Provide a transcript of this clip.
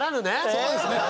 そうですね。